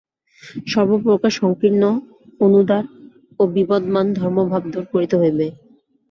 সর্বপ্রকার সঙ্কীর্ণ, অনুদার ও বিবদমান ধর্মভাব দূর করিতে হইবে।